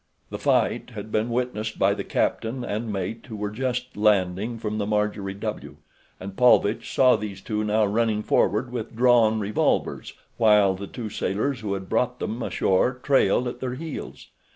The fight had been witnessed by the captain and mate who were just landing from the Marjorie W., and Paulvitch saw these two now running forward with drawn revolvers while the two sailors who had brought them ashore trailed at their heels.